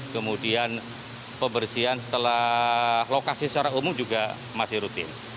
kemudian pembersihan setelah lokasi secara umum juga masih rutin